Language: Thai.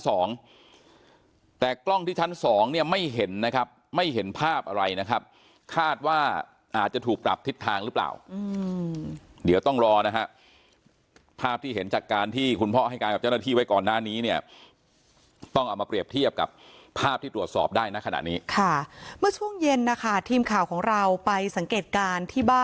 สองแต่กล้องที่ชั้นสองเนี่ยไม่เห็นนะครับไม่เห็นภาพอะไรนะครับคาดว่าอาจจะถูกปรับทิศทางหรือเปล่าเดี๋ยวต้องรอนะฮะภาพที่เห็นจากการที่คุณพ่อให้การกับเจ้าหน้าที่ไว้ก่อนหน้านี้เนี่ยต้องเอามาเปรียบเทียบกับภาพที่ตรวจสอบได้นะขณะนี้ค่ะเมื่อช่วงเย็นนะคะทีมข่าวของเราไปสังเกตการณ์ที่บ